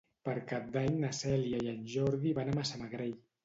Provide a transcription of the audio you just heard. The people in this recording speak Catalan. Per Cap d'Any na Cèlia i en Jordi van a Massamagrell.